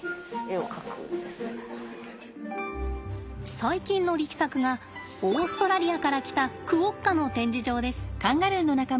最近の力作がオーストラリアから来たクオッカの展示場です。